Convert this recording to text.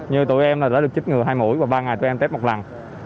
như tụi em là đã được chích ngừa hai mũi và ba ngày tụi em tết một lần